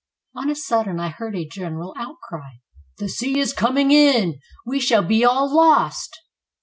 On a sudden I heard a general outcry, "The sea is coming in, we shall be all lost."